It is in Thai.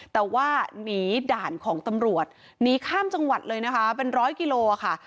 แต่ว่าหนีด่านของตำรวจหนีข้ามจังหวัดเลยนะคะเป็นร้อยกิโลค่ะ